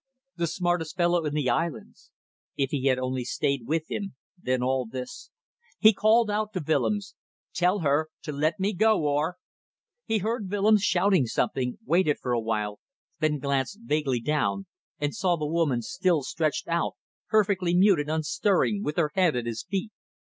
The smartest fellow in the islands. If he had only stayed with him, then all this ... He called out to Willems "Tell her to let me go or ..." He heard Willems shouting something, waited for awhile, then glanced vaguely down and saw the woman still stretched out perfectly mute and unstirring, with her head at his feet.